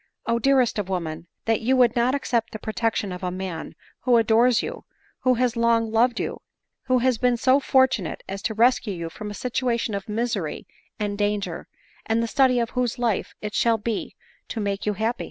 " O dearest of women ! that you would but accept the protection of a man who adores you ; who has long loved you ; who has been so fortunate as to rescue you from a situation of misery and danger, and the study of whose life it shall be to make you happy."